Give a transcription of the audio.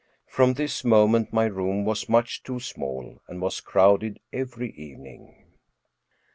From this moment my room was much too small, and was crowded every evening.